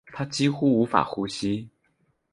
她几乎无法呼吸